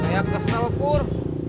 saya kesel pur